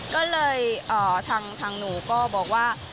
ก็เลยทางหนูก็บอกว่า